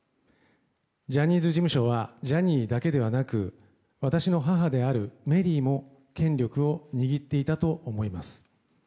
ジャニーズ事務所はジャニーだけではなく私の母であるメリーも権力を握っていたと思います。